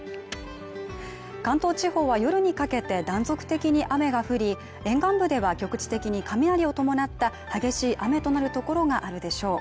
関東地方は夜にかけて断続的に雨が降り沿岸部では局地的に雷を伴った激しい雨となる所があるでしょう